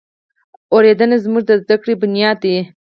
اورېدنه زموږ د زده کړې بنیاد دی.